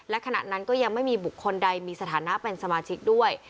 และขณะนั้นก็ยังไม่มีบุคคลใดมีสถานะเป็นสมาชิกด้วย